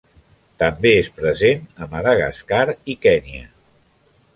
També és present a Madagascar i Kenya.